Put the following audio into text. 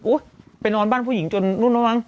อุ๊ยไปนอนบ้านผู้หญิงจนว่านั่นไงวะ